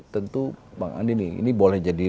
tentu bang andi nih ini boleh jadi